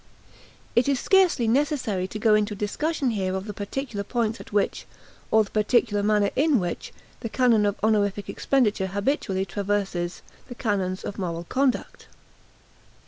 It is scarcely necessary to go into a discussion here of the particular points at which, or the particular manner in which, the canon of honorific expenditure habitually traverses the canons of moral conduct.